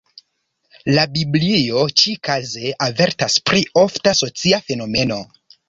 La biblio ĉi-kaze avertas pri ofta socia fenomeno.